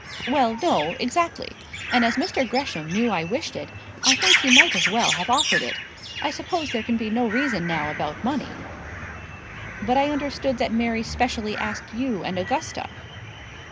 "Well; no; exactly; and as Mr. Gresham knew I wished it, I think he might as well have offered it. I suppose there can be no reason now about money." "But I understood that Mary specially asked you and Augusta?"